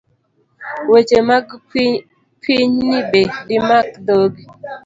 Weche mag pinyin be dimak dhogi